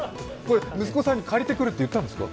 息子さんに借りてくるっていったんですか？